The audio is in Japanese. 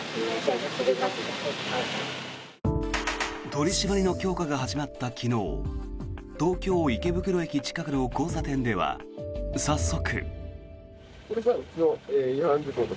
取り締まりの強化が始まった昨日東京・池袋駅近くの交差点では早速。